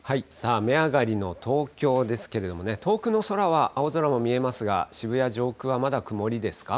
雨上がりの東京ですけれども、遠くの空は青空も見えますが、渋谷上空はまだ曇りですか？